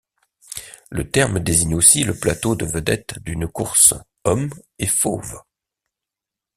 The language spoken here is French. Le terme désigne aussi le plateau de vedettes d'une course, hommes et fauves.